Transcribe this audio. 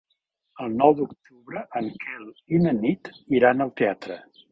El nou d'octubre en Quel i na Nit iran al teatre.